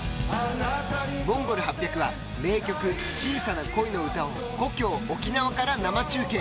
ＭＯＮＧＯＬ８００は名曲「小さな恋のうた」を故郷・沖縄から生中継。